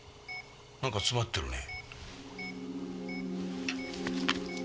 何か詰まってるね。